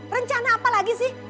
rencana apalagi sih